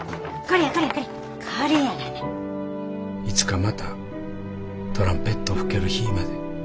いつかまたトランペット吹ける日ぃまで。